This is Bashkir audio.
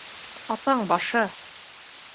Атаң башы!..